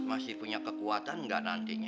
masih punya kekuatan nggak nantinya